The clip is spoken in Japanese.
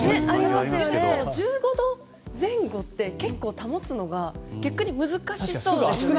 １５度前後って結構保つのが逆に難しそうですよね。